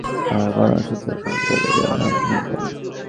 কারাগারে খোকন অসুস্থ হয়ে পড়লে তাঁকে বের করে আনেন নূর বানু।